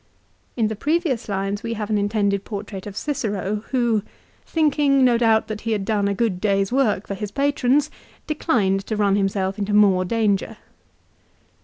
In the previous lines we have an intended portrait of Cicero who " thinking no doubt that he had done a good day's work for his patrons declined to run himself into more danger."